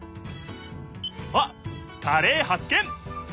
あっカレーはっ見！